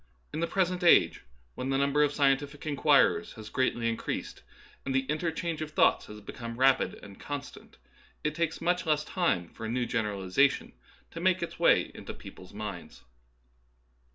In the present age, when the number of sci entific inquirers has greatly increased and the in terchange of thoughts has become rapid and con stant, it takes much less time for a new gener alization to make its way into people's minds.